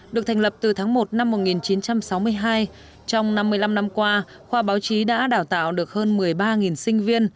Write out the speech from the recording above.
được thành lập từ tháng một năm một nghìn chín trăm sáu mươi hai trong năm mươi năm năm qua khoa báo chí đã đào tạo được hơn một mươi ba sinh viên